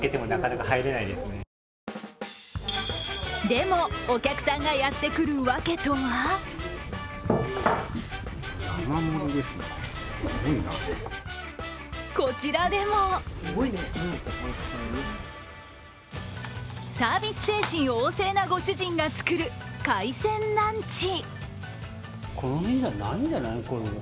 でも、お客さんがやってくるわけとはこちらでもサービス精神旺盛なご主人が作る海鮮ランチ。